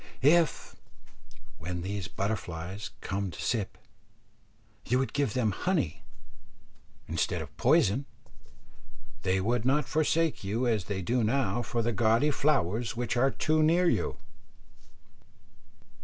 If, when these butterflies come to sip, you would give them honey instead of poison, they would not forsake you as they do now for the gaudy flowers which are too near you.